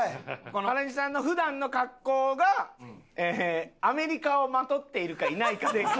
原西さんの普段の格好がアメリカをまとっているかいないかでクイズ。